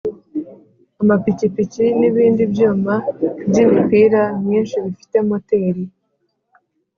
amapikipiki n’ ibindi byuma by’ imipira myinshi bifite moteri